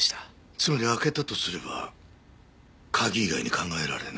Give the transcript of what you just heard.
つまり開けたとすれば鍵以外に考えられない。